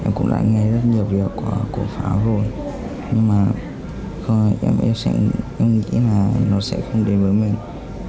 em cũng đã nghe rất nhiều việc của pháo rồi nhưng mà em nghĩ là nó sẽ không đến với mình